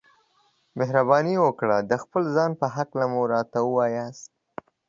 مهرباني وکړئ د خپل ځان په هکله مو راته ووياست.